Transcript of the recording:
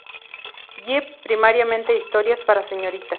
Gift," primariamente historias para señoritas.